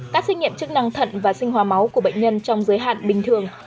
các xét nghiệm chức năng thận và sinh hóa máu của bệnh nhân trong giới hạn bình thường